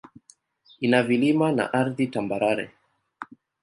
Ina vilima na ardhi tambarare.